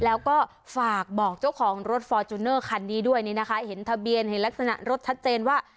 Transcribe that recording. แล้วก็ฝากบอกเจ้าของรถฟอร์จูเนอร์คันนี้ด้วยนี่นะคะเห็นทะเบียนเห็นลักษณะรถชัดเจนว่า